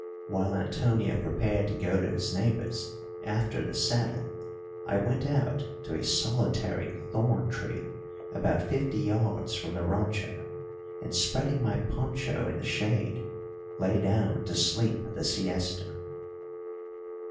While Antonio prepared to go to his neighbour's after the saddle I went out to a solitary thorn tree about fifty yards from the rancho, and, spreading my poncho in the shade, lay down to sleep the siesta.